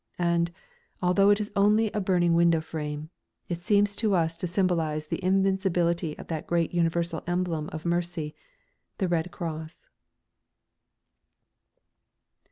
And, although it is only a burning window frame, it seems to us to symbolise the invincibility of that great universal emblem of mercy the Red Cross.